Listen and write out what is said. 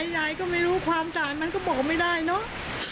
ยายก็ไม่รู้ความด่านมันก็บอกไม่ได้เนอะ